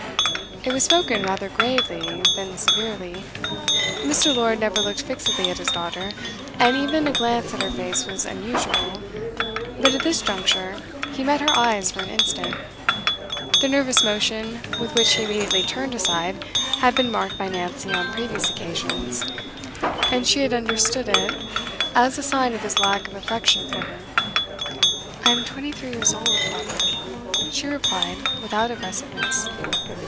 It was spoken rather gravely than severely. Mr. Lord never looked fixedly at his daughter, and even a glance at her face was unusual; but at this juncture he met her eyes for an instant. The nervous motion with which he immediately turned aside had been marked by Nancy on previous occasions, and she had understood it as a sign of his lack of affection for her. 'I am twenty three years old, father,' she replied, without aggressiveness.